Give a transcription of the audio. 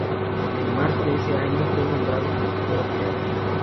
En marzo de ese año fue nombrado consejero real.